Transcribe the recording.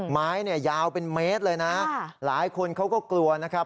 ไม้เนี่ยยาวเป็นเมตรเลยนะหลายคนเขาก็กลัวนะครับ